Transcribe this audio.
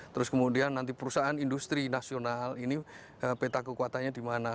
terus kemudian nanti perusahaan industri nasional ini peta kekuatannya di mana